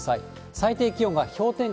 最低気温が氷点下